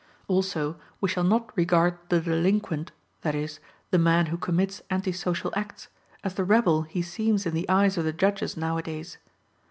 Also, we shall not regard the delinquent, that is, the man who commits anti social acts, as the rebel he seems in the eyes of the judges nowadays.